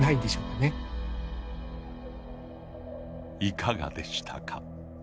いかがでしたか。